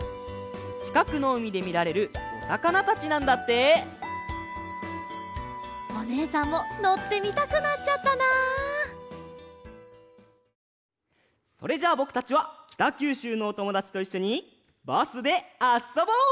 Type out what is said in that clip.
ちかくのうみでみられるおさかなたちなんだっておねえさんものってみたくなっちゃったなそれじゃぼくたちはきたきゅうしゅうのおともだちといっしょにバスであっそぼう！